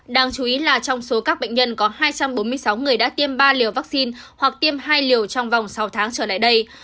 đáng chú ý là trong số các bệnh nhân có hai trăm bốn mươi sáu người đã tiêm ba liều vaccine hoặc tiêm hai liều trong vòng sáu tháng trở lại đây